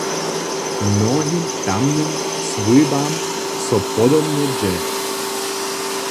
Mnohim tamnym swójbam so podobnje dźe.